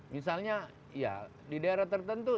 misalnya di daerah tertentu